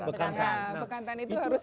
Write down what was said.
bekantan itu harus direstarikan